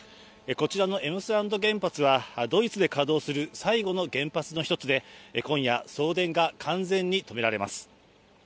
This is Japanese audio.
こちらのエムスラント原発は、ドイツで稼働する最後の原発の１つで、今夜、送電が完全に止められます。